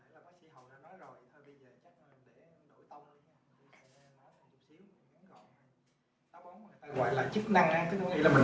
gọi là chức năng